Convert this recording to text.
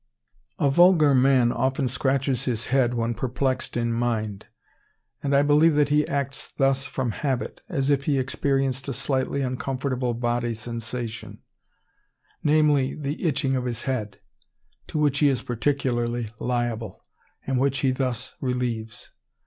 A vulgar man often scratches his head when perplexed in mind; and I believe that he acts thus from habit, as if he experienced a slightly uncomfortable bodily sensation, namely, the itching of his head, to which he is particularly liable, and which he thus relieves.